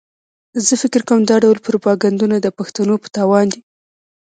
زه فکر کوم دا ډول پروپاګنډونه د پښتنو په تاوان دي.